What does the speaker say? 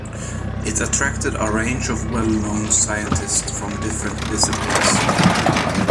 It attracted a range of well-known scientists from different disciplines.